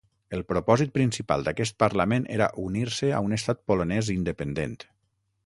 El propòsit principal d'aquest parlament era unir-se a un estat polonès independent.